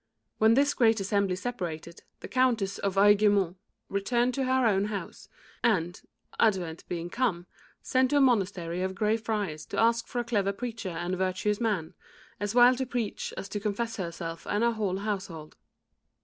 When this great assembly separated, the Countess of Aiguemont returned to her own house, and, Advent being come, sent to a monastery of Grey Friars to ask for a clever preacher and virtuous man, as well to preach as to confess herself and her whole household.